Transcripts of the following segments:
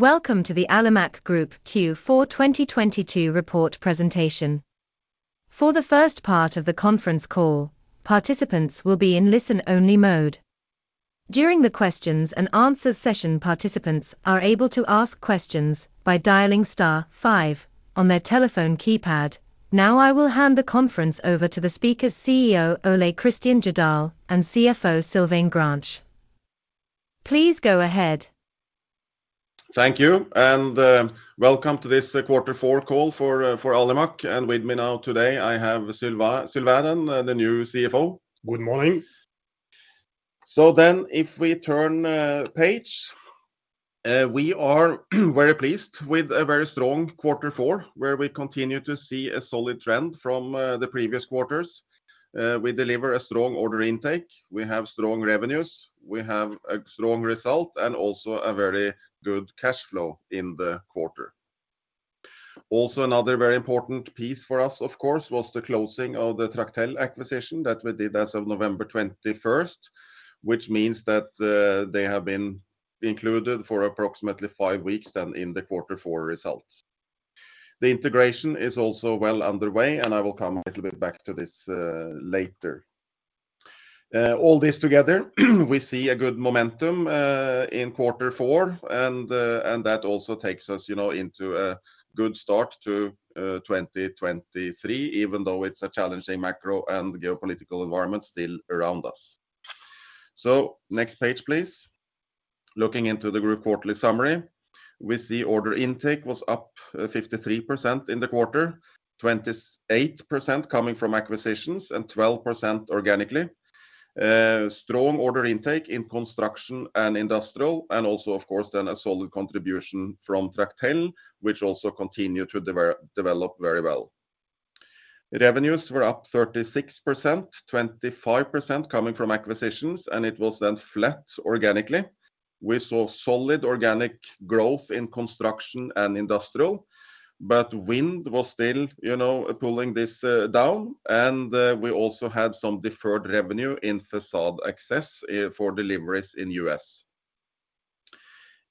Welcome to the Alimak Group Q4 2022 report presentation. For the first part of the conference call, participants will be in listen-only mode. During the questions and answers session, participants are able to ask questions by dialing star five on their telephone keypad. Now I will hand the conference over to the speakers CEO Ole Kristian Jødahl and CFO Sylvain Grange. Please go ahead. Thank you, and, welcome to this quarter four call for Alimak. With me now today I have Sylvain, the new CFO. Good morning. If we turn page, we are very pleased with a very strong quarter four, where we continue to see a solid trend from the previous quarters. We deliver a strong order intake, we have strong revenues, we have a strong result, and also a very good cash flow in the quarter. Also, another very important piece for us, of course, was the closing of the Tractel acquisition that we did as of November 21st, which means that they have been included for approximately five weeks then in the quarter four results. The integration is also well underway, and I will come a little bit back to this later. All this together, we see a good momentum in quarter four and that also takes us, you know, into a good start to 2023, even though it's a challenging macro and geopolitical environment still around us. Next page, please. Looking into the group quarterly summary, we see order intake was up 53% in the quarter, 28% coming from acquisitions and 12% organically. Strong order intake in Construction and Industrial, and also of course then a solid contribution from Tractel, which also continued to develop very well. Revenues were up 36%, 25% coming from acquisitions, and it was then flat organically. We saw solid organic growth in Construction and Industrial, but Wind was still, you know, pulling this down. We also had some deferred revenue in Facade Access for deliveries in U.S.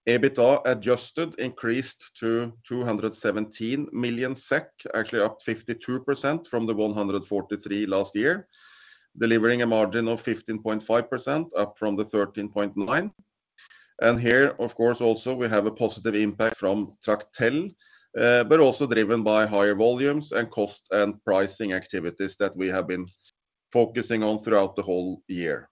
EBITDA Adjusted increased to 217 million SEK, actually up 52% from the 143 last year, delivering a margin of 15.5% up from the 13.9%. Here of course also we have a positive impact from Tractel, but also driven by higher volumes and cost and pricing activities that we have been focusing on throughout the whole year.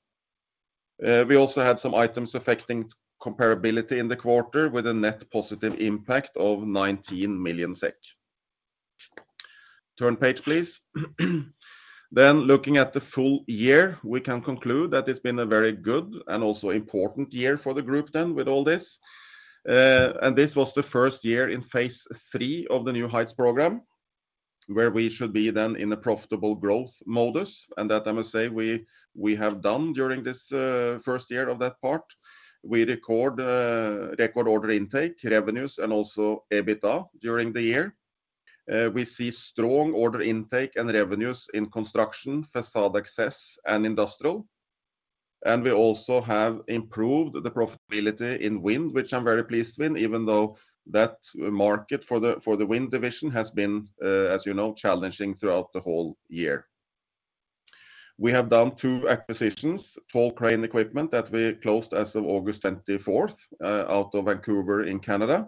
We also had some items affecting comparability in the quarter with a net positive impact of 19 million SEK. Turn page, please. Looking at the full year, we can conclude that it's been a very good and also important year for the group then with all this. This was the first year in phase III of the New Heights program, where we should be then in a profitable growth modus. That I must say we have done during this first year of that part. We record order intake, revenues and also EBITDA during the year. We see strong order intake and revenues in Construction, Facade Access and Industrial. We also have improved the profitability in Wind, which I'm very pleased with, even though that market for the Wind division has been, as you know, challenging throughout the whole year. We have done two acquisitions, Tall Crane Equipment that we closed as of August 24th, out of Vancouver in Canada,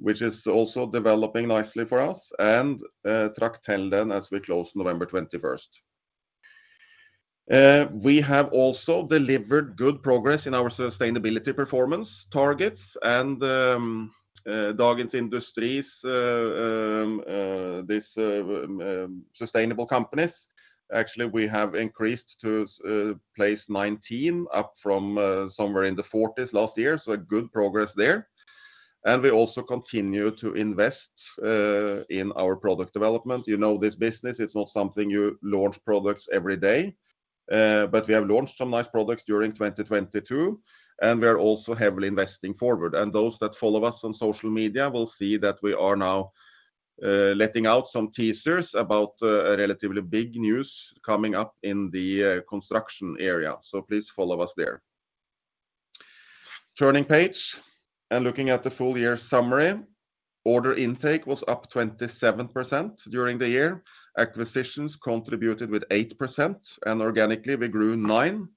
which is also developing nicely for us and Tractel then as we closed November 21st. We have also delivered good progress in our sustainability performance targets and Dagens Industri's this sustainable companies. Actually, we have increased to place 19 up from somewhere in the 40s last year, so a good progress there. We also continue to invest in our product development. You know this business, it's not something you launch products every day, but we have launched some nice products during 2022, and we are also heavily investing forward. Those that follow us on social media will see that we are now letting out some teasers about a relatively big news coming up in the Construction area. Please follow us there. Turning page and looking at the full year summary, order intake was up 27% during the year. Acquisitions contributed with 8% and organically we grew 9%.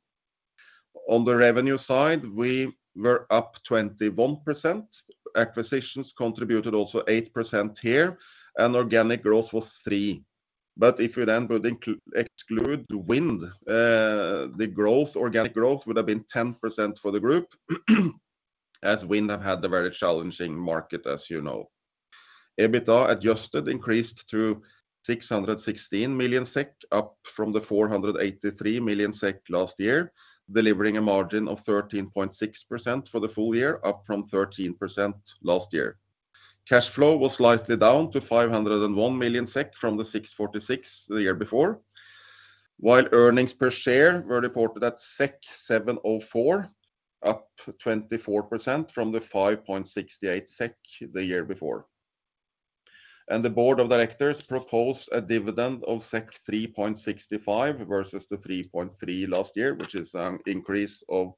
On the revenue side, we were up 21%. Acquisitions contributed also 8% here, and organic growth was 3%. If you then would exclude Wind, the growth, organic growth would have been 10% for the group, as Wind have had a very challenging market, as you know. EBITDA Adjusted increased to 616 million SEK, up from 483 million SEK last year, delivering a margin of 13.6% for the full year, up from 13% last year. Cash flow was slightly down to 501 million SEK from the 646 million the year before, while earnings per share were reported at 7.04, up 24% from the 5.68 SEK the year before. The Board of Directors propose a dividend of 63.65 versus the 3.3 last year, which is an increase of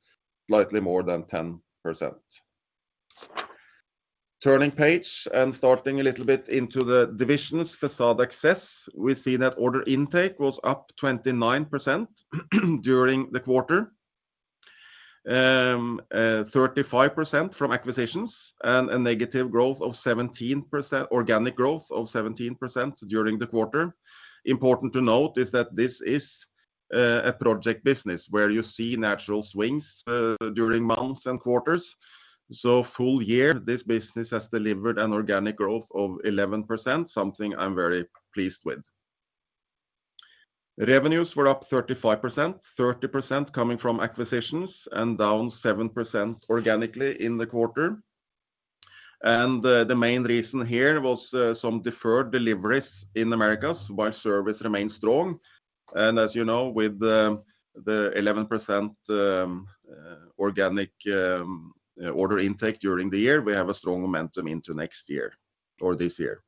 slightly more than 10%. Turning page and starting a little bit into the divisions, Facade Access, we see that order intake was up 29% during the quarter. 35% from acquisitions and 17% organic growth during the quarter. Important to note is that this is a project business where you see natural swings during months and quarters. Full year, this business has delivered an organic growth of 11%, something I'm very pleased with. Revenues were up 35%, 30% coming from acquisitions, and down 7% organically in the quarter. The main reason here was some deferred deliveries in Americas while service remained strong. As you know, with the 11% organic order intake during the year, we have a strong momentum into next year or this year.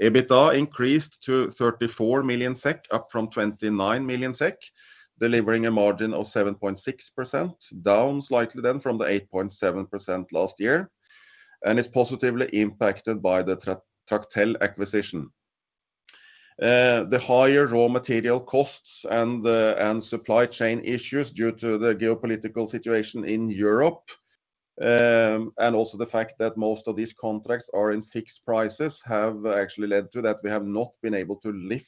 EBITDA increased to 34 million SEK, up from 29 million SEK, delivering a margin of 7.6%, down slightly then from the 8.7% last year, and is positively impacted by the Tractel acquisition. The higher raw material costs and supply chain issues due to the geopolitical situation in Europe, and also the fact that most of these contracts are in fixed prices have actually led to that we have not been able to lift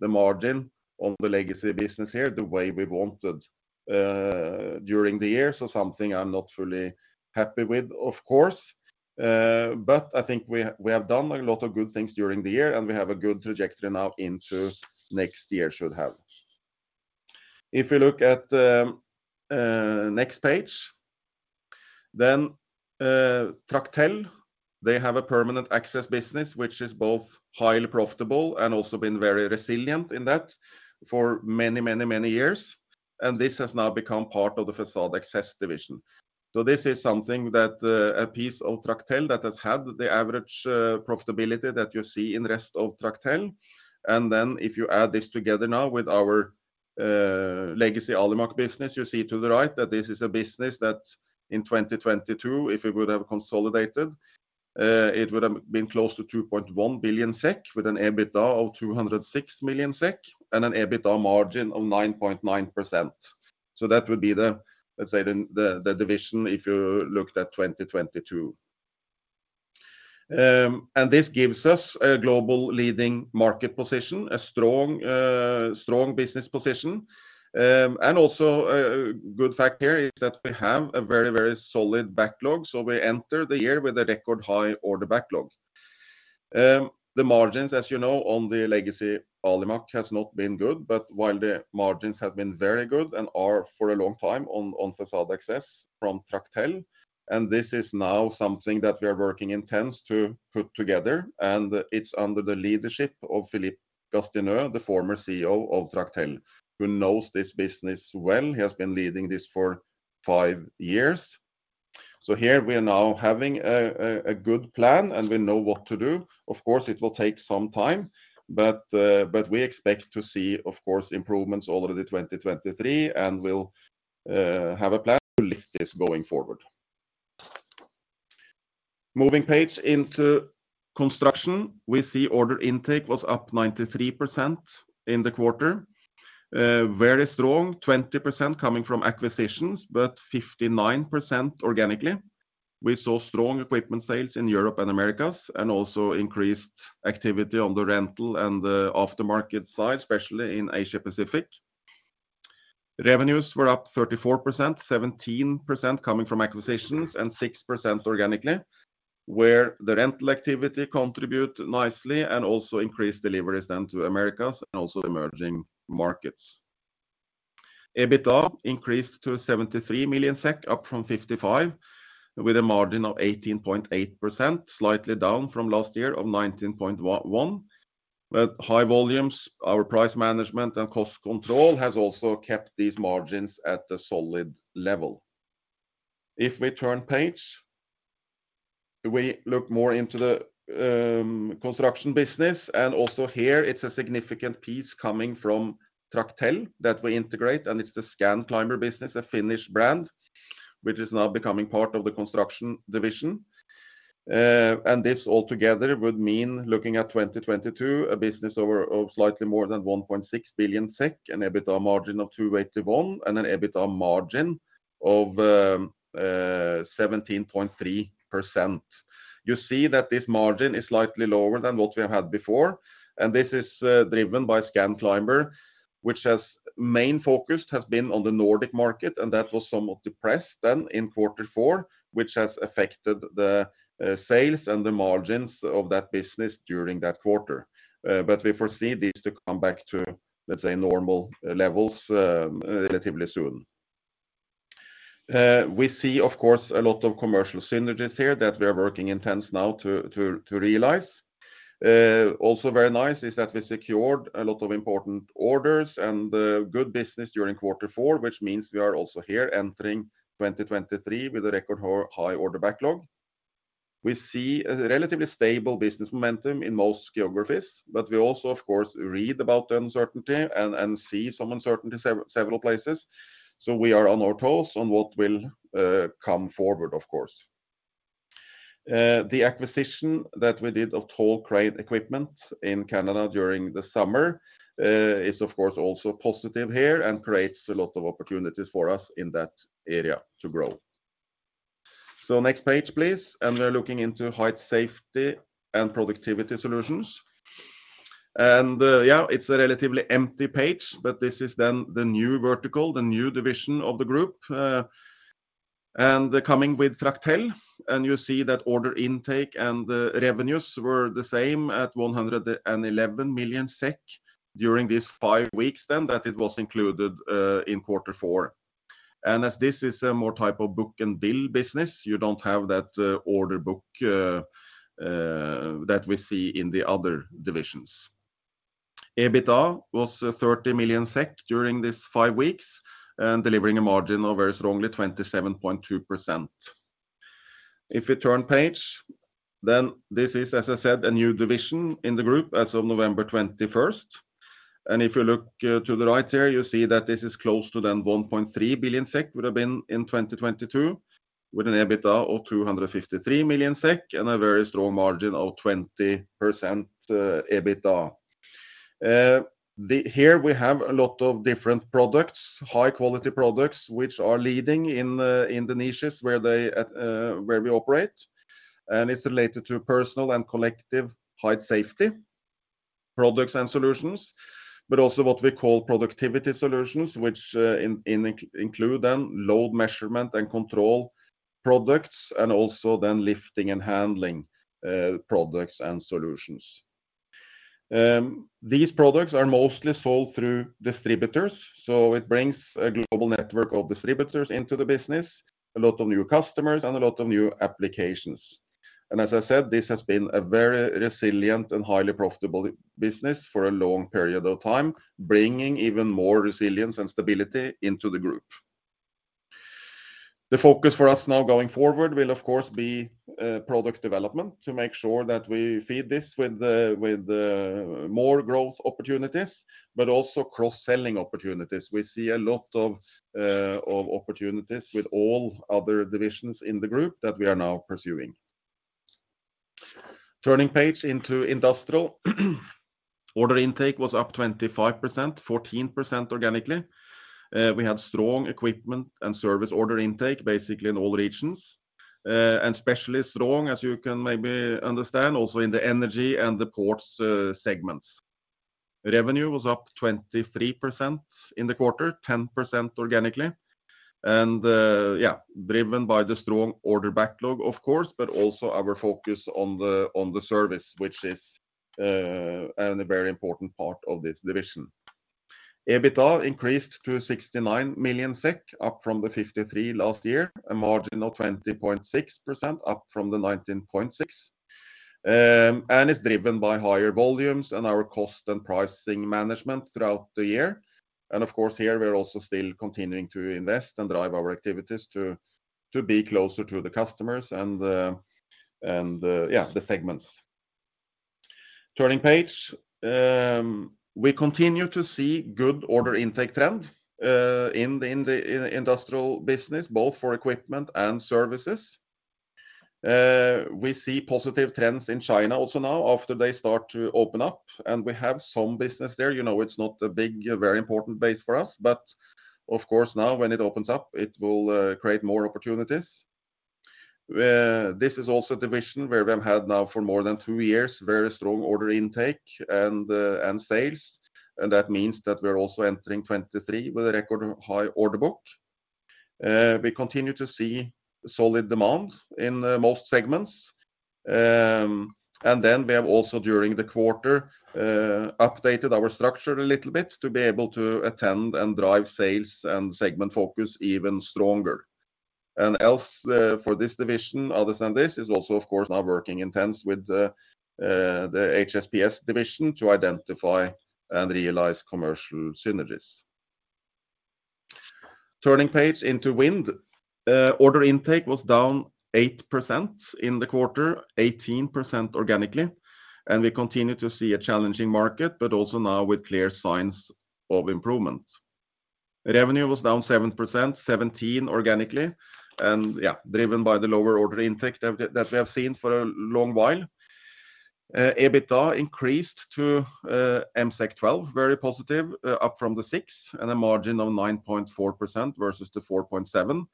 the margin on the legacy business here the way we wanted during the year. Something I'm not fully happy with, of course. I think we have done a lot of good things during the year, and we have a good trajectory now into next year should have. You look at the next page. Tractel, they have a permanent access business, which is both highly profitable and also been very resilient in that for many, many, many years. This has now become part of the Facade Access division. This is something that, a piece of Tractel that has had the average profitability that you see in rest of Tractel. If you add this together now with our Legacy Alimak business, you see to the right that this is a business that in 2022, if it would have consolidated, it would have been close to 2.1 billion SEK with an EBITDA of 206 million SEK and an EBITDA margin of 9.9%. That would be the, let's say, the division if you looked at 2022. This gives us a global leading market position, a strong business position. Also a good fact here is that we have a very, very solid backlog. We enter the year with a record high order backlog. The margins, as you know, on the Legacy Alimak has not been good, while the margins have been very good and are for a long time on Facade Access from Tractel. This is now something that we are working intense to put together. It's under the leadership of Philippe Gastineau, the former CEO of Tractel, who knows this business well. He has been leading this for five years. Here we are now having a good plan, and we know what to do. Of course, it will take some time, but we expect to see, of course, improvements already 2023, and we'll have a plan to lift this going forward. Moving page into Construction, we see order intake was up 93% in the quarter. Very strong, 20% coming from acquisitions, but 59% organically. We saw strong equipment sales in Europe and Americas and also increased activity on the rental and the aftermarket side, especially in Asia-Pacific. Revenues were up 34%, 17% coming from acquisitions, and 6% organically, where the rental activity contribute nicely and also increased deliveries then to Americas and also emerging markets. EBITDA increased to 73 million SEK, up from 55 million SEK, with a margin of 18.8%, slightly down from last year of 19.01%. High volumes, our price management and cost control has also kept these margins at a solid level. If we turn page, we look more into the Construction business. Also here it's a significant piece coming from Tractel that we integrate, and it's the Scanclimber business, a Finnish brand, which is now becoming part of the Construction division. This all together would mean, looking at 2022, a business of slightly more than 1.6 billion SEK, an EBITDA margin of 281, and an EBITDA margin of 17.3%. You see that this margin is slightly lower than what we had before. This is driven by Scanclimber, which has main focus has been on the Nordic market, and that was somewhat depressed then in quarter four, which has affected the sales and the margins of that business during that quarter. We foresee this to come back to, let's say, normal levels, relatively soon. We see of course, a lot of commercial synergies here that we are working intense now to realize. Also very nice is that we secured a lot of important orders and good business during quarter four, which means we are also here entering 2023 with a record high order backlog. We see a relatively stable business momentum in most geographies, but we also, of course, read about the uncertainty and see some uncertainty several places. We are on our toes on what will come forward, of course. The acquisition that we did of Tall Crane Equipment in Canada during the summer, is of course also positive here and creates a lot of opportunities for us in that area to grow. Next page, please. We're looking into Height Safety & Productivity Solutions. Yeah, it's a relatively empty page, but this is then the new vertical, the new division of the group, and coming with Tractel. You see that order intake and revenues were the same at 111 million SEK during these five weeks then that it was included in quarter four. As this is a more type of book and bill business, you don't have that order book that we see in the other divisions. EBITDA was 30 million SEK during these five weeks, delivering a margin of very strongly 27.2%. If we turn page, then this is, as I said, a new division in the group as of November 21st. If you look to the right here, you see that this is close to then 1.3 billion SEK would have been in 2022 with an EBITDA of 253 million SEK and a very strong margin of 20% EBITDA. Here we have a lot of different products, high-quality products, which are leading in the niches where they, where we operate. It's related to personal and collective height safety products and solutions, but also what we call productivity solutions, which include then load measurement and control products and also then lifting and handling products and solutions. These products are mostly sold through distributors, so it brings a global network of distributors into the business, a lot of new customers, and a lot of new applications. As I said, this has been a very resilient and highly profitable business for a long period of time, bringing even more resilience and stability into the group. The focus for us now going forward will of course be product development to make sure that we feed this with more growth opportunities, but also cross-selling opportunities. We see a lot of opportunities with all other divisions in the group that we are now pursuing. Turning page into Industrial. Order intake was up 25%, 14% organically. We had strong equipment and service order intake basically in all regions, and especially strong, as you can maybe understand, also in the energy and the ports segments. Revenue was up 23% in the quarter, 10% organically. Yeah, driven by the strong order backlog, of course, but also our focus on the service, which is a very important part of this division. EBITDA increased to 69 million SEK, up from 53 last year, a margin of 20.6%, up from 19.6%. It's driven by higher volumes and our cost and pricing management throughout the year. Of course, here we're also still continuing to invest and drive our activities to be closer to the customers and the, and, the segments. Turning page. We continue to see good order intake trends in the industrial business, both for equipment and services. We see positive trends in China also now after they start to open up, and we have some business there. You know, it's not a big, very important base for us, but of course, now when it opens up, it will create more opportunities. This is also a division where we have had now for more than two years, very strong order intake and sales. That means that we're also entering 2023 with a record high order book. We continue to see solid demands in most segments. We have also during the quarter updated our structure a little bit to be able to attend and drive sales and segment focus even stronger. Else, for this division, other than this, is also of course now working intense with the HSPS division to identify and realize commercial synergies. Turning page into Wind. Order intake was down 8% in the quarter, 18% organically. We continue to see a challenging market, but also now with clear signs of improvement. Revenue was down 7%, 17% organically. Yeah, driven by the lower order intake that we have seen for a long while. EBITDA increased to MSEK 12, very positive, up from the 6, and a margin of 9.4% versus the 4.7.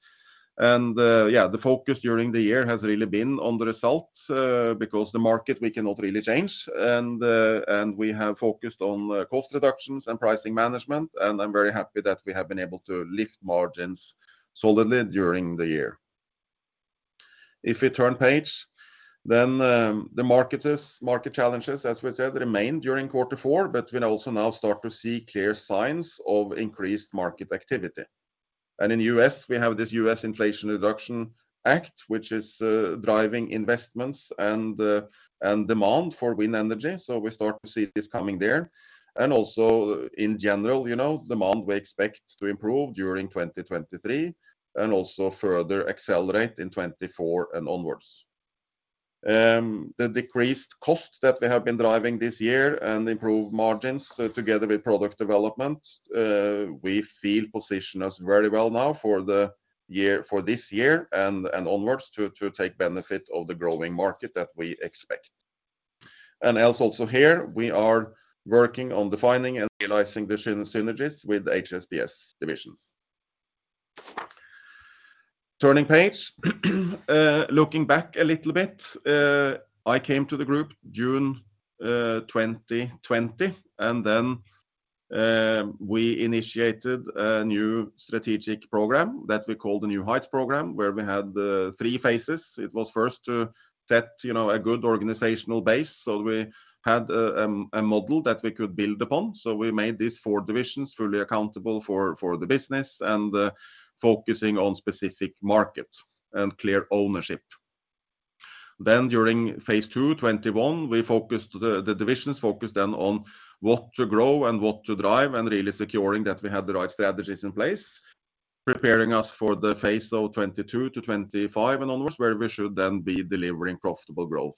Yeah, the focus during the year has really been on the results because the market we cannot really change. We have focused on cost reductions and pricing management, and I'm very happy that we have been able to lift margins solidly during the year. If we turn page, then, market challenges, as we said, remained during quarter four, but we also now start to see clear signs of increased market activity. In U.S., we have this U.S. Inflation Reduction Act, which is driving investments and demand for wind energy. We start to see this coming there. Also in general, you know, demand we expect to improve during 2023 and also further accelerate in 2024 and onwards. The decreased cost that we have been driving this year and improved margins together with product development, we feel position us very well now for this year and onwards to take benefit of the growing market that we expect. Else also here we are working on defining and realizing the synergies with HSPS divisions. Turning page. Looking back a little bit, I came to the group June 2020, we initiated a new strategic program that we call the New Heights program, where we had three phases. It was first to set, you know, a good organizational base. We had a model that we could build upon. We made these four divisions fully accountable for the business and focusing on specific markets and clear ownership. During phase II, 2021, the divisions focused then on what to grow and what to drive, and really securing that we had the right strategies in place, preparing us for the phase of 2022-2025 and onwards, where we should then be delivering profitable growth.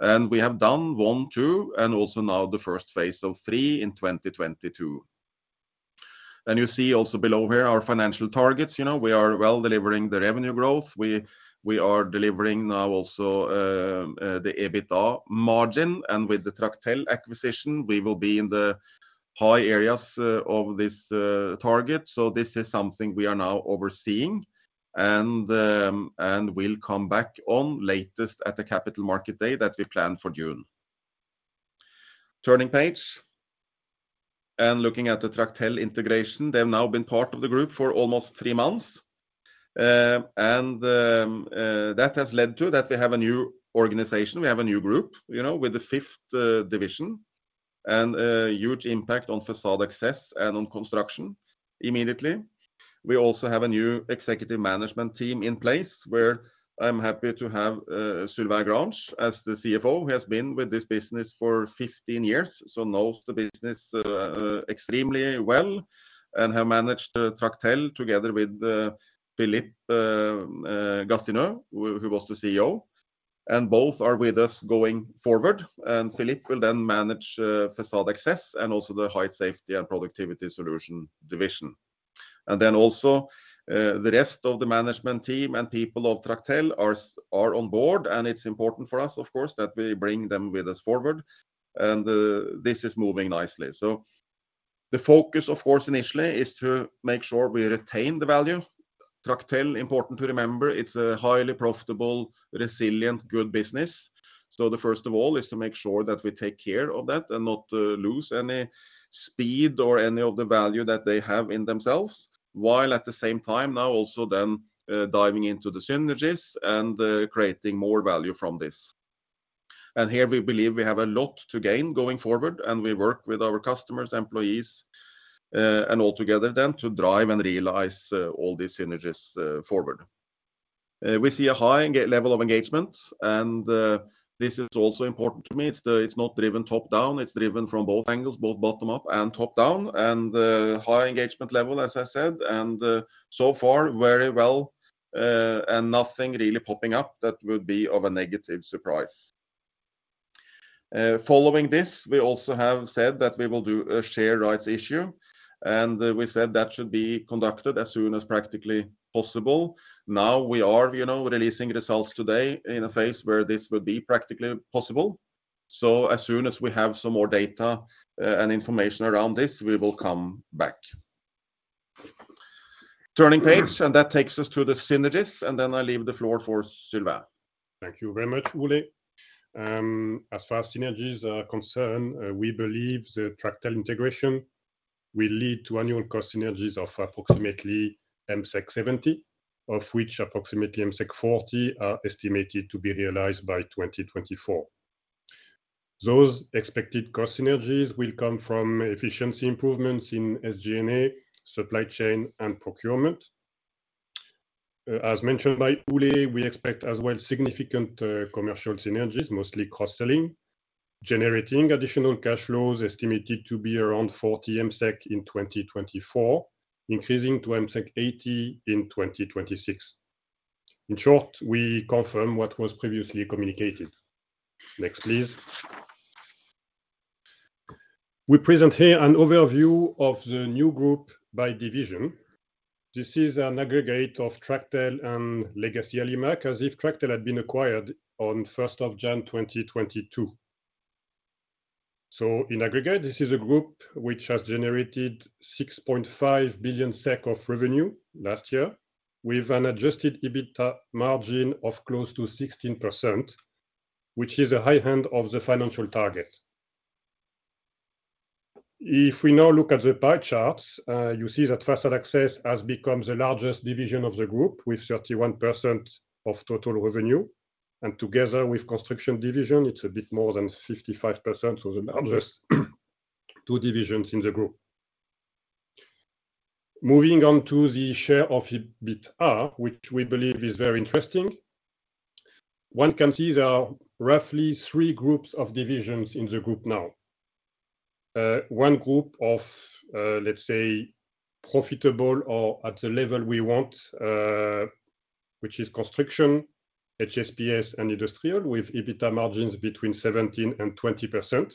We have done I, II, and also now the first phase of three in 2022. You see also below here our financial targets. You know, we are well delivering the revenue growth. We are delivering now also the EBITDA margin. With the Tractel acquisition, we will be in the high areas of this target. This is something we are now overseeing and we'll come back on latest at the Capital Markets Day that we plan for June. Turning page. Looking at the Tractel integration, they've now been part of the group for almost three months. That has led to that we have a new organization. We have a new group, you know, with the fifth division and a huge impact on Facade Access and on Construction immediately. We also have a new executive management team in place where I'm happy to have Sylvain Grange as the CFO, who has been with this business for 15 years, so knows the business extremely well and have managed Tractel together with Philippe Gastineau, who was the CEO. Both are with us going forward. Philippe will then manage Facade Access and also the Height Safety & Productivity Solutions division. Then also, the rest of the management team and people of Tractel are on board, and it's important for us, of course, that we bring them with us forward. This is moving nicely. The focus, of course, initially is to make sure we retain the value. Tractel, important to remember, it's a highly profitable, resilient, good business. The first of all is to make sure that we take care of that and not lose any speed or any of the value that they have in themselves, while at the same time now also then, diving into the synergies and creating more value from this. Here we believe we have a lot to gain going forward and we work with our customers, employees, and all together then to drive and realize all these synergies forward. We see a high level of engagement, and this is also important to me. It's not driven top-down, it's driven from both angles, both bottom up and top-down. High engagement level, as I said, and so far very well, and nothing really popping up that would be of a negative surprise. Following this, we also have said that we will do a share rights issue, and we said that should be conducted as soon as practically possible. Now we are, you know, releasing results today in a phase where this will be practically possible. As soon as we have some more data and information around this, we will come back. Turning page. That takes us to the synergies, I leave the floor for Sylvain. Thank you very much, Ole. As far as synergies are concerned, we believe the Tractel integration will lead to annual cost synergies of approximately 70 million, of which approximately 40 million are estimated to be realized by 2024. Those expected cost synergies will come from efficiency improvements in SG&A, supply chain and procurement. As mentioned by Ole, we expect as well significant commercial synergies, mostly cross-selling, generating additional cash flows estimated to be around 40 million in 2024, increasing to 80 million in 2026. In short, we confirm what was previously communicated. Next, please. We present here an overview of the new group by division. This is an aggregate of Tractel and Legacy Alimak, as if Tractel had been acquired on January 1st, 2022. In aggregate, this is a group which has generated 6.5 billion SEK of revenue last year with an Adjusted EBITDA margin of close to 16%, which is a high end of the financial target. If we now look at the pie charts, you see that Facade Access has become the largest division of the group with 31% of total revenue. Together with Construction division, it's a bit more than 55%, so the largest two divisions in the group. Moving on to the share of EBITDA, which we believe is very interesting. One can see there are roughly three groups of divisions in the group now. One group of, let's say profitable or at the level we want, which is Construction, HSPS, and Industrial, with EBITDA margins between 17% and 20%.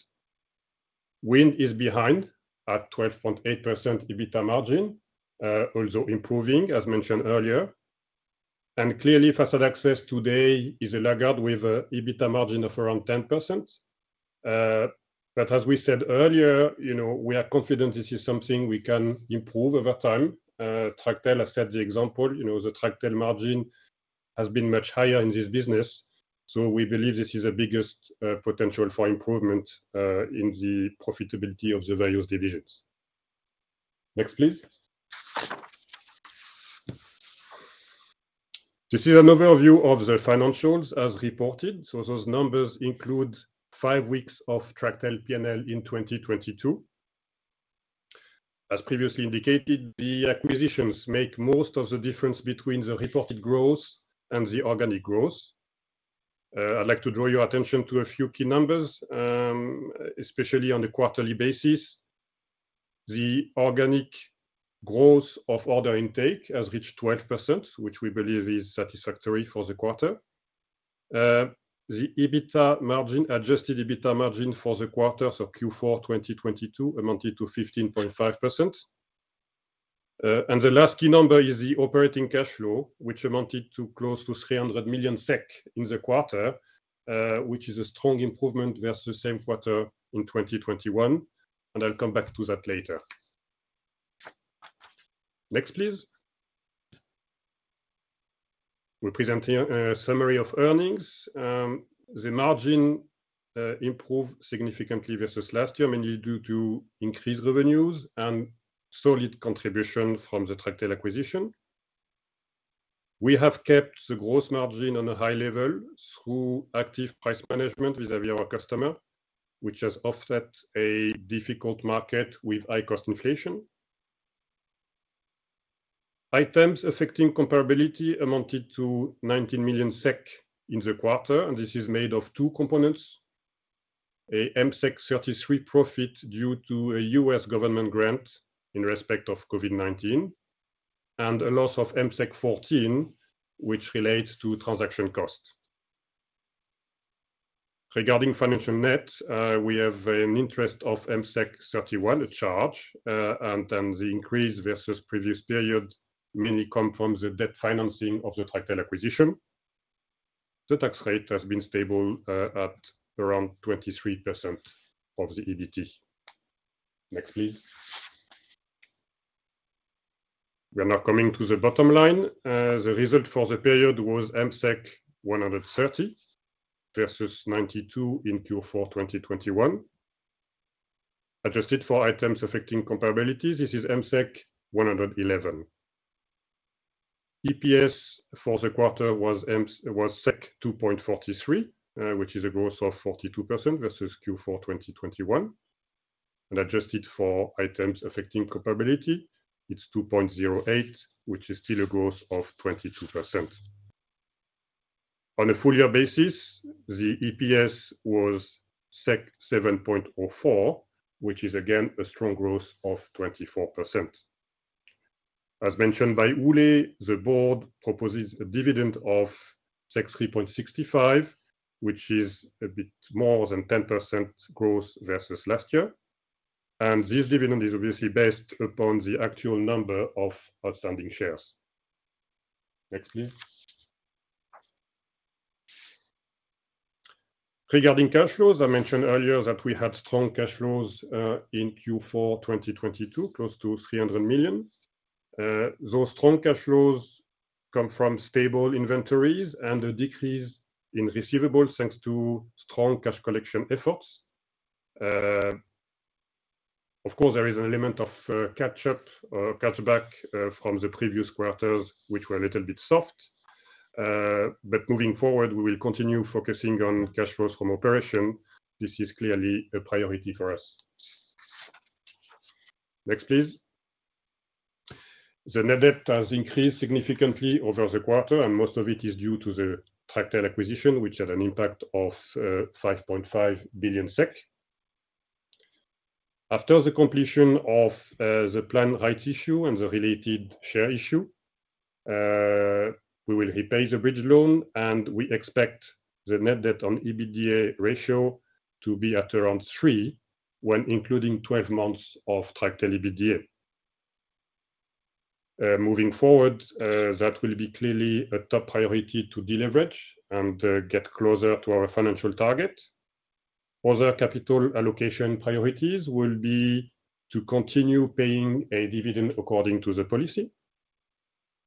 Wind is behind at 12.8% EBITDA margin, also improving, as mentioned earlier. Clearly, Facade Access today is a laggard with a EBITDA margin of around 10%. As we said earlier, you know, we are confident this is something we can improve over time. Tractel has set the example. You know, the Tractel margin has been much higher in this business, we believe this is the biggest potential for improvement in the profitability of the various divisions. Next, please. This is an overview of the financials as reported. Those numbers include five weeks of Tractel P&L in 2022. As previously indicated, the acquisitions make most of the difference between the reported growth and the organic growth. I'd like to draw your attention to a few key numbers, especially on the quarterly basis. The organic growth of order intake has reached 12%, which we believe is satisfactory for the quarter. The Adjusted EBITDA margin for the quarter, so Q4 2022, amounted to 15.5%. The last key number is the operating cash flow, which amounted to close to 300 million SEK in the quarter, which is a strong improvement versus same quarter in 2021. I'll come back to that later. Next, please. We present here a summary of earnings. The margin improved significantly versus last year, mainly due to increased revenues and solid contribution from the Tractel acquisition. We have kept the gross margin on a high level through active price management vis-a-vis our customer, which has offset a difficult market with high cost inflation. Items affecting comparability amounted to 19 million SEK in the quarter, and this is made of two components. A MSEK 33 profit due to a U.S. government grant in respect of COVID-19, and a loss of MSEK 14, which relates to transaction costs. Regarding financial net, we have an interest of MSEK 31 charge, and then the increase versus previous period mainly comes from the debt financing of the Tractel acquisition. The tax rate has been stable, at around 23% of the EBIT. Next, please. We are now coming to the bottom line. The result for the period was MSEK 130 versus 92 in Q4 2021. Adjusted for items affecting comparability, this is MSEK 111. EPS for the quarter was 2.43, which is a growth of 42% versus Q4 2021. Adjusted for items affecting comparability, it's 2.08, which is still a growth of 22%. On a full year basis, the EPS was 7.04, which is again a strong growth of 24%. As mentioned by Ole, the Board proposes a dividend of 3.65, which is a bit more than 10% growth versus last year. This dividend is obviously based upon the actual number of outstanding shares. Next, please. Regarding cash flows, I mentioned earlier that we had strong cash flows in Q4 2022, close to 300 million. Those strong cash flows come from stable inventories and a decrease in receivables thanks to strong cash collection efforts. Of course, there is an element of catch up or catch back from the previous quarters, which were a little bit soft. Moving forward, we will continue focusing on cash flows from operation. This is clearly a priority for us. Next, please. The net debt has increased significantly over the quarter, and most of it is due to the Tractel acquisition, which had an impact of 5.5 billion SEK. After the completion of the planned rights issue and the related share issue, we will repay the bridge loan, and we expect the net debt on EBITDA ratio to be at around 3 when including 12 months of Tractel EBITDA. Moving forward, that will be clearly a top priority to deleverage and get closer to our financial target. Other capital allocation priorities will be to continue paying a dividend according to the policy.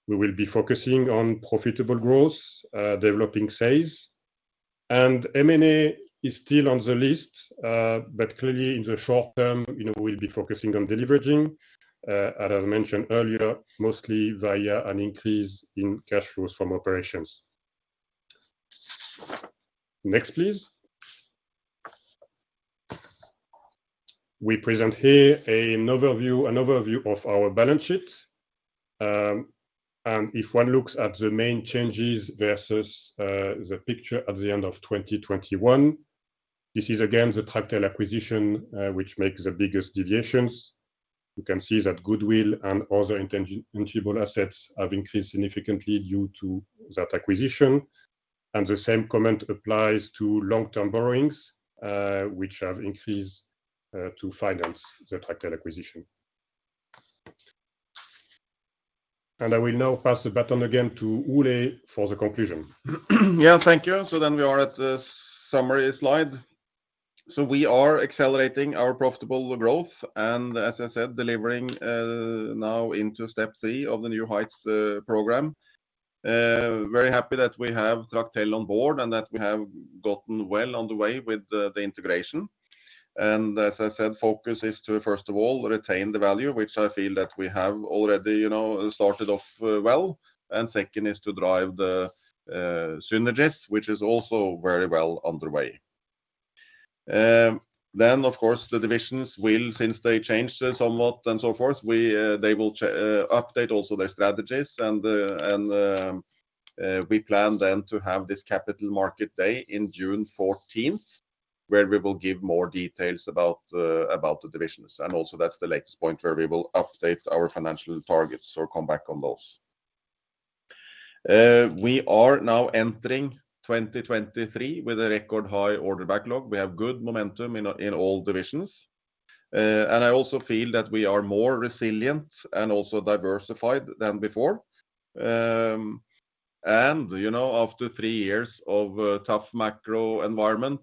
We will be focusing on profitable growth, developing sales. M&A is still on the list, but clearly in the short term, you know, we'll be focusing on deleveraging, as I mentioned earlier, mostly via an increase in cash flows from operations. Next, please. We present here an overview of our balance sheet. If one looks at the main changes versus the picture at the end of 2021, this is again the Tractel acquisition, which makes the biggest deviations. You can see that goodwill and other intangible assets have increased significantly due to that acquisition. The same comment applies to long-term borrowings, which have increased to finance the Tractel acquisition. I will now pass the baton again to Ole for the conclusion. Thank you. We are at the summary slide. We are accelerating our profitable growth, as I said, delivering now into step three of the New Heights program. Very happy that we have Tractel on board and that we have gotten well on the way with the integration. As I said, focus is to, first of all, retain the value, which I feel that we have already, you know, started off well, second is to drive the synergies, which is also very well underway. Of course, the divisions will, since they changed somewhat and so forth, they will update also their strategies and we plan then to have this Capital Markets Day in June 14th, where we will give more details about the divisions. That's the latest point where we will update our financial targets or come back on those. We are now entering 2023 with a record high order backlog. We have good momentum in all divisions. And I also feel that we are more resilient and also diversified than before. And, you know, after three years of tough macro environment,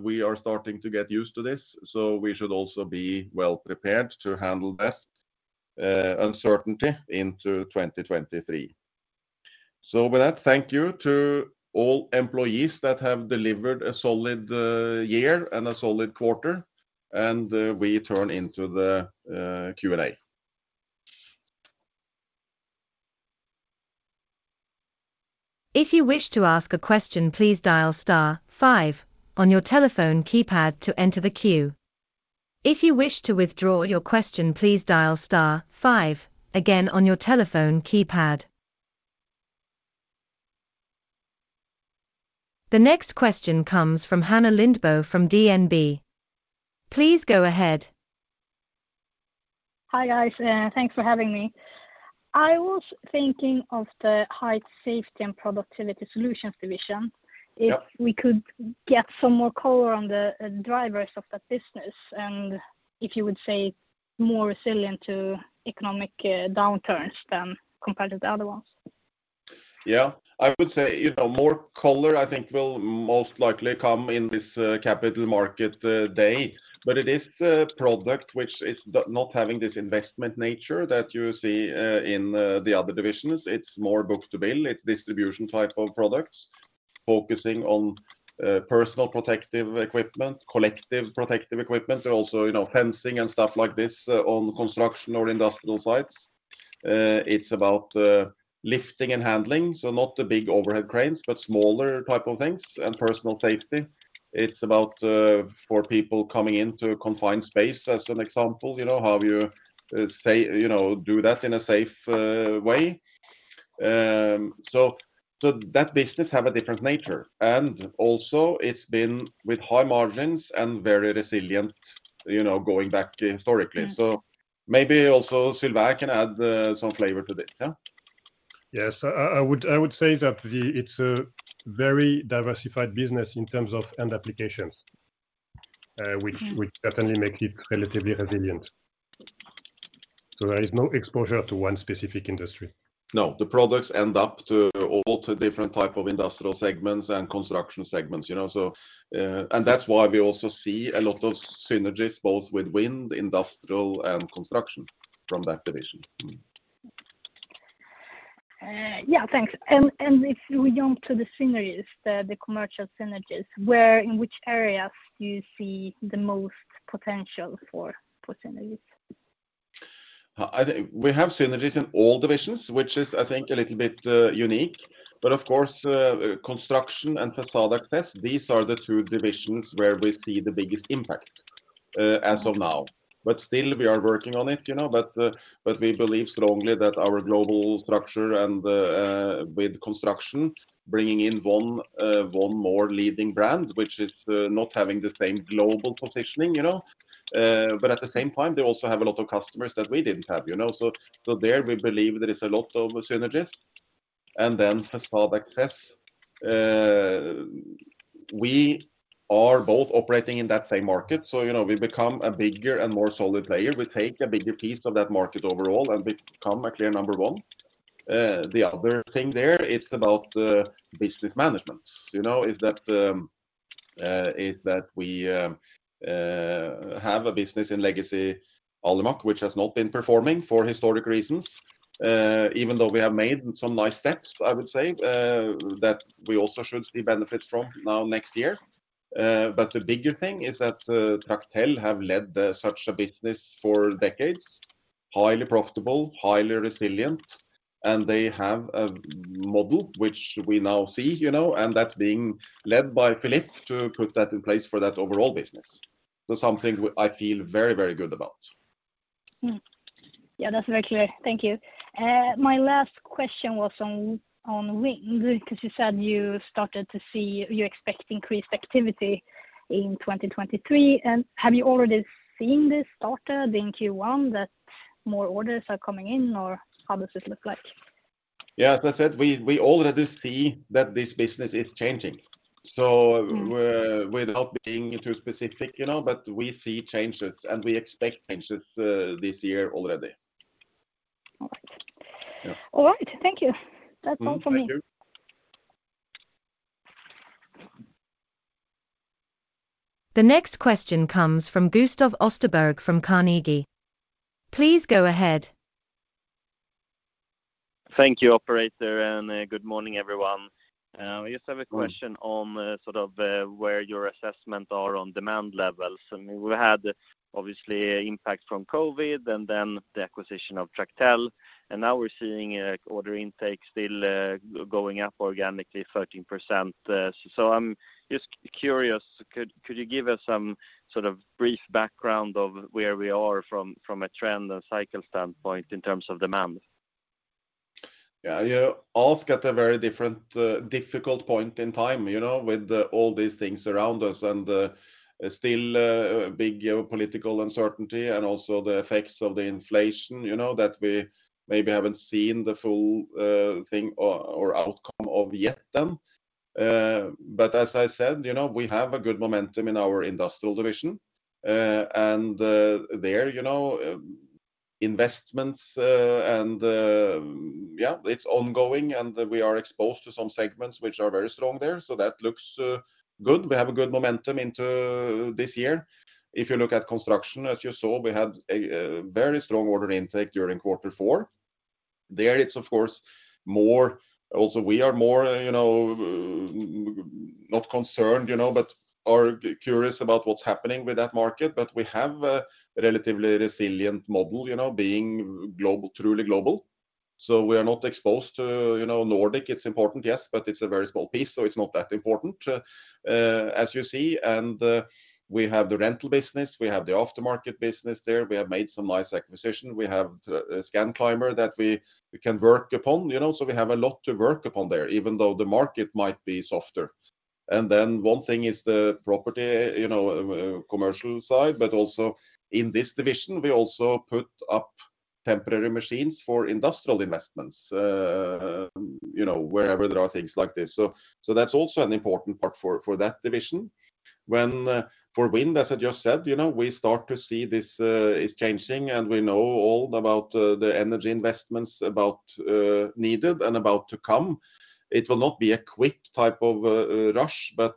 we are starting to get used to this, so we should also be well prepared to handle that uncertainty into 2023. With that, thank you to all employees that have delivered a solid year and a solid quarter, and we turn into the Q&A. If you wish to ask a question, please dial star five on your telephone keypad to enter the queue. If you wish to withdraw your question, please dial star five again on your telephone keypad. The next question comes from Hanna Lindbo from DNB. Please go ahead. Hi, guys. thanks for having me. I was thinking of the Height Safety & Productivity Solutions division. Yeah. If we could get some more color on the drivers of that business and if you would say more resilient to economic downturns than compared to the other ones? I would say, you know, more color, I think will most likely come in this Capital Markets Day. It is a product which is not having this investment nature that you see in the other divisions. It's more book to bill, it's distribution type of products, focusing on personal protective equipment, collective protective equipment, also, you know, fencing and stuff like this on Construction or Industrial sites. It's about lifting and handling, so not the big overhead cranes, but smaller type of things and personal safety. It's about for people coming into a confined space, as an example, you know, how you do that in a safe way. So that business have a different nature. Also it's been with high margins and very resilient, you know, going back historically. Yeah. Maybe also Sylvain can add, some flavor to this. Yeah. Yes. I would say it's a very diversified business in terms of end applications. Mm-hmm Which definitely makes it relatively resilient. There is no exposure to one specific industry. No. The products end up to all the different type of Industrial segments and Construction segments, you know. That's why we also see a lot of synergies both with Wind, Industrial, and Construction from that division. Yeah. Thanks. If we jump to the synergies, the commercial synergies, in which areas you see the most potential for synergies? I think we have synergies in all divisions, which is, I think, a little bit unique. Of course, Construction and Facade Access, these are the two divisions where we see the biggest impact as of now. Still we are working on it, you know, we believe strongly that our global structure and with Construction bringing in one more leading brand, which is not having the same global positioning, you know. At the same time, they also have a lot of customers that we didn't have, you know. There we believe there is a lot of synergies. Facade Access, we are both operating in that same market. You know, we become a bigger and more solid player. We take a bigger piece of that market overall and become a clear Number 1. The other thing there is about business management, you know. Is that we have a business in Legacy Alimak, which has not been performing for historic reasons, even though we have made some nice steps, I would say, that we also should see benefits from now next year. The bigger thing is that Tractel have led such a business for decades, highly profitable, highly resilient, and they have a model which we now see, you know, and that's being led by Philippe to put that in place for that overall business. Some things which I feel very, very good about. Yeah, that's very clear. Thank you. My last question was on Wind, because you said you expect increased activity in 2023. Have you already seen this started in Q1 that more orders are coming in, or how does it look like? Yeah, as I said, we already see that this business is changing. Mm. Without being too specific, you know, but we see changes, and we expect changes, this year already. All right. Yeah. All right. Thank you. That's all from me. Thank you. The next question comes from Gustav Österberg from Carnegie. Please go ahead. Thank you, operator, and, good morning, everyone. We just have a question... Mm On, sort of, where your assessment are on demand levels. I mean, we had obviously impact from COVID and then the acquisition of Tractel, and now we're seeing, order intake still going up organically 13%. I'm just curious, could you give us some sort of brief background of where we are from a trend and cycle standpoint in terms of demand? Yeah. Yeah. All's got a very difficult point in time, you know, with all these things around us and still big geopolitical uncertainty and also the effects of the inflation, you know, that we maybe haven't seen the full thing or outcome of yet then. As I said, you know, we have a good momentum in our Industrial division. There, you know, investments, and yeah, it's ongoing, and we are exposed to some segments which are very strong there, so that looks good. We have a good momentum into this year. If you look at Construction, as you saw, we had a very strong order intake during quarter four. There it's of course more. Also we are more, you know, not concerned, you know, but are curious about what's happening with that market. We have a relatively resilient model, you know, being global, truly global, so we are not exposed to, you know, Nordic. It's important, yes, it's a very small piece, so it's not that important as you see. We have the Rental business, we have the Aftermarket business there. We have made some nice acquisition. We have Scanclimber that we can work upon, you know, so we have a lot to work upon there, even though the market might be softer. One thing is the property, you know, commercial side, but also in this division, we also put up temporary machines for Industrial investments, you know, wherever there are things like this. That's also an important part for that division. When for Wind, as I just said, you know, we start to see this is changing, and we know all about the energy investments about needed and about to come. It will not be a quick type of rush, but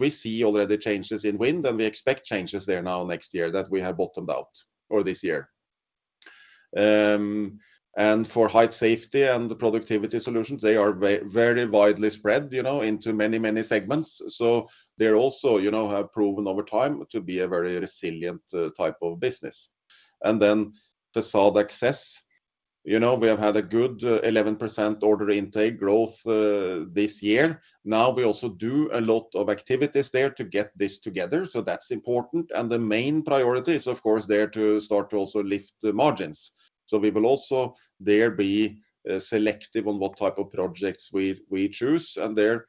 we see already changes in Wind, and we expect changes there now next year that we have bottomed out, or this year. For Height Safety and Productivity Solutions, they are very widely spread, you know, into many, many segments. They also, you know, have proven over time to be a very resilient type of business. Facade Access, you know, we have had a good 11% order intake growth this year. Now we also do a lot of activities there to get this together, so that's important. The main priority is of course there to start to also lift the margins. We will also there be selective on what type of projects we choose. There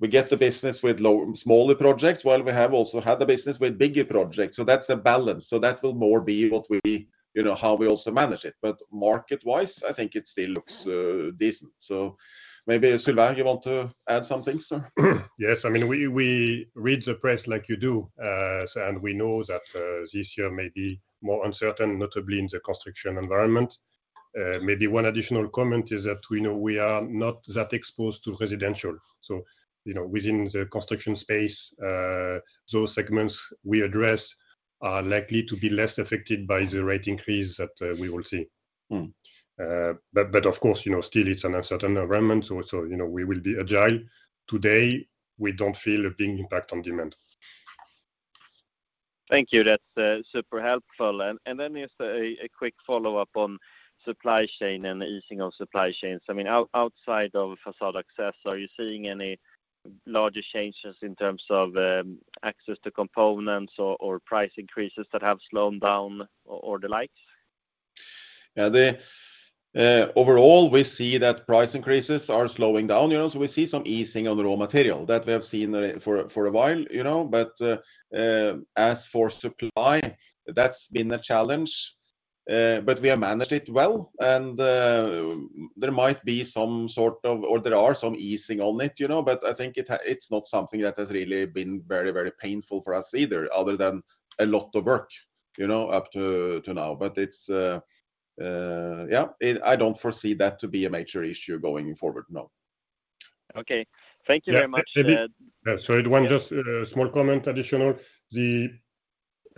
we get the business with smaller projects, while we have also had the business with bigger projects. That's a balance. That will more be what we, you know, how we also manage it. Market-wise, I think it still looks decent. Maybe, Sylvain, you want to add something, sir? Yes. I mean, we read the press like you do, so. We know that this year may be more uncertain, notably in the construction environment. Maybe one additional comment is that we know we are not that exposed to residential. You know, within the construction space, those segments we address are likely to be less affected by the rate increase that we will see. Mm. Of course, you know, still it's an uncertain environment, so, you know, we will be agile. Today, we don't feel a big impact on demand. Thank you. That's super helpful. Just a quick follow-up on supply chain and the easing of supply chains. I mean, outside of Facade Access, are you seeing any larger changes in terms of access to components or price increases that have slowed down or the likes? Overall, we see that price increases are slowing down, you know. We see some easing on the raw material that we have seen for a while, you know. As for supply, that's been a challenge, but we have managed it well. There might be some sort of or there are some easing on it, you know, but I think it's not something that has really been very painful for us either, other than a lot of work, you know, up to now. It's, I don't foresee that to be a major issue going forward, no. Okay. Thank you very much. Yeah. Yeah. Yeah. Sorry, one just small comment additional. You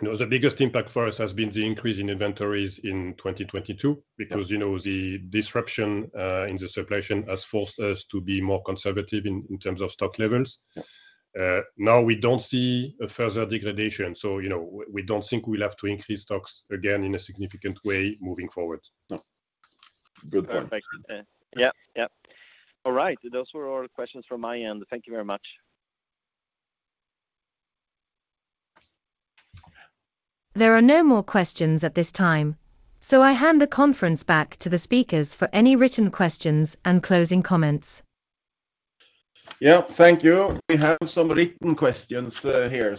know, the biggest impact for us has been the increase in inventories in 2022. Yeah Because, you know, the disruption in the circulation has forced us to be more conservative in terms of stock levels. Yeah. Now we don't see a further degradation, you know, we don't think we'll have to increase stocks again in a significant way moving forward. No. Good point. Perfect. Yeah. Yep. Yep. All right. Those were all questions from my end. Thank you very much. There are no more questions at this time, so I hand the conference back to the speakers for any written questions and closing comments. Yeah. Thank you. We have some written questions here.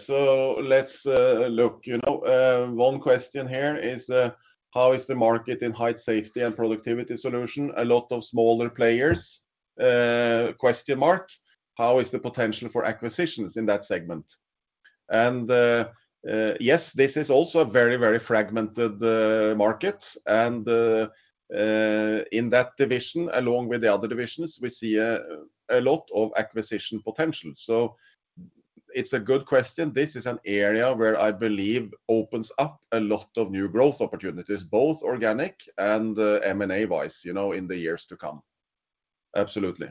Let's look, you know. One question here is how is the market in Height Safety & Productivity Solutions? A lot of smaller players? How is the potential for acquisitions in that segment? Yes, this is also a very, very fragmented market. In that division, along with the other divisions, we see a lot of acquisition potential. It's a good question. This is an area where I believe opens up a lot of new growth opportunities, both organic and M&A wise, you know, in the years to come. Absolutely.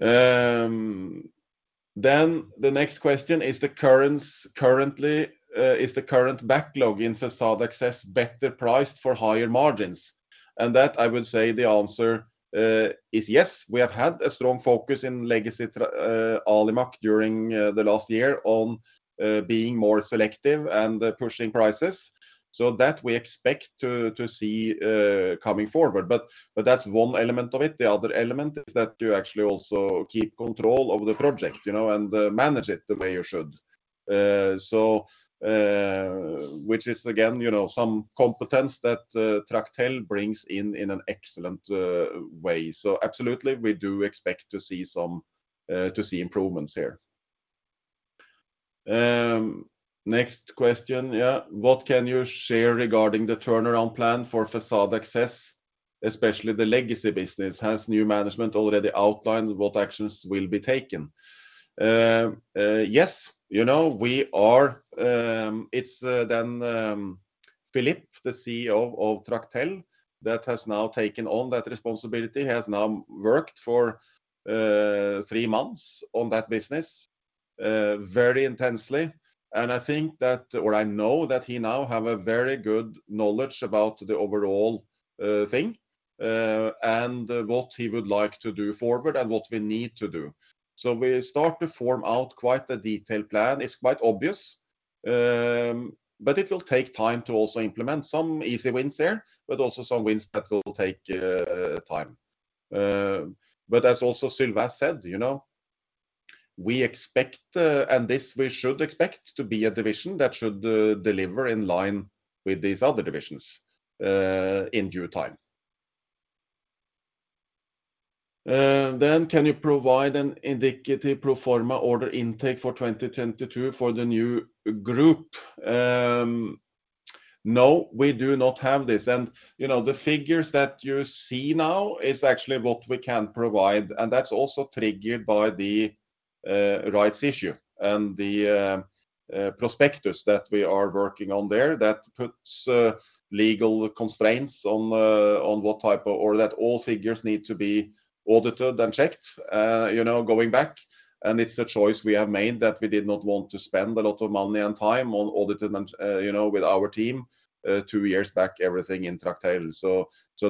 The next question, is the current backlog in Facade Access better priced for higher margins? That I would say the answer is yes. We have had a strong focus in Legacy Alimak during the last year on being more selective and pushing prices. That we expect to see coming forward. That's one element of it. The other element is that you actually also keep control of the project, you know, and manage it the way you should. Which is again, you know, some competence that Tractel brings in in an excellent way. Absolutely, we do expect to see some improvements here. Next question. Yeah. What can you share regarding the turnaround plan for Facade Access, especially the legacy business? Has new management already outlined what actions will be taken? Yes, you know, we are... It's, then, Philippe, the CEO of Tractel, that has now taken on that responsibility, has now worked for three months on that business, very intensely. I think that, or I know that he now have a very good knowledge about the overall, thing, and what he would like to do forward and what we need to do. We start to form out quite a detailed plan. It's quite obvious, but it will take time to also implement some easy wins there, but also some wins that will take, time. As also Sylvain said, you know, we expect, and this we should expect to be a division that should, deliver in line with these other divisions, in due time. Can you provide an indicative pro forma order intake for 2010-2022 for the new group? No, we do not have this. You know, the figures that you see now is actually what we can provide, and that's also triggered by the rights issue and the prospectus that we are working on there that puts legal constraints on what type of order. All figures need to be audited and checked, you know, going back. It's a choice we have made that we did not want to spend a lot of money and time on audit and, you know, with our team, two years back, everything in Tractel.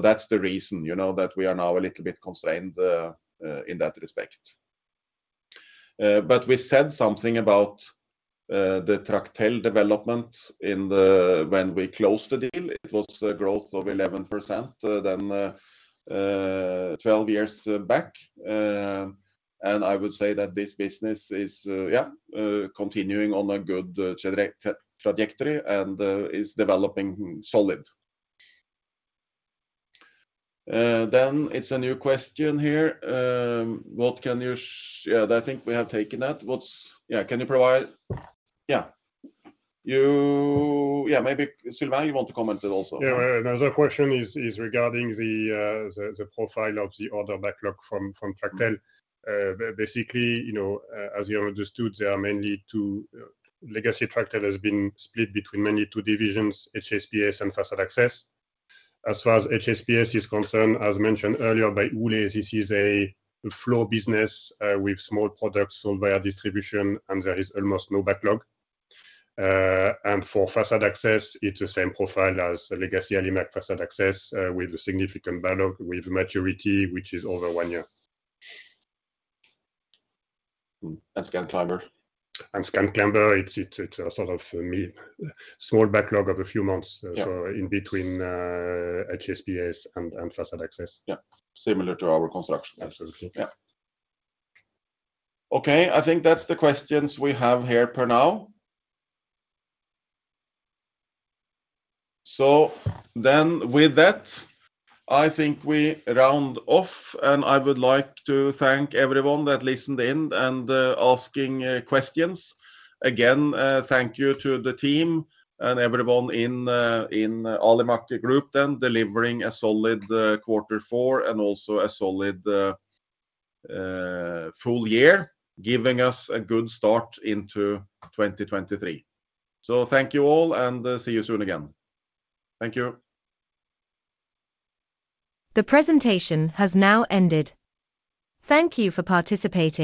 That's the reason, you know, that we are now a little bit constrained in that respect. We said something about the Tractel development when we closed the deal. It was a growth of 11% than 12 years back. I would say that this business is, yeah, continuing on a good trajectory and is developing solid. It's a new question here. Yeah, I think we have taken that. Yeah. Yeah, maybe, Sylvain, you want to comment it also? Yeah. Another question is regarding the profile of the order backlog from Tractel. Basically, you know, as you understood, there are mainly two. Legacy Tractel has been split between mainly two divisions, HSPS and Facade Access. As far as HSPS is concerned, as mentioned earlier by Ole, this is a flow business with small products sold via distribution, and there is almost no backlog. For Facade Access, it's the same profile as Legacy Alimak Facade Access with a significant backlog with maturity, which is over one year. Scanclimber. Scanclimber, it's a sort of small backlog of a few months. Yeah so in between, HSPS and Facade Access. Yeah. Similar to our Construction. Absolutely. Yeah. Okay, I think that's the questions we have here for now. With that, I think we round off, and I would like to thank everyone that listened in and asking questions. Again, thank you to the team and everyone in Alimak Group then delivering a solid quarter four and also a solid full year, giving us a good start into 2023. Thank you all, and see you soon again. Thank you. The presentation has now ended. Thank you for participating.